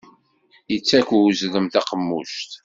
Ittak uzrem taqemmuct.